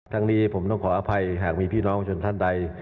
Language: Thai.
ทั้งนี้ผมต้องขออภัยหากมีพี่น้องประชาชนท่านใด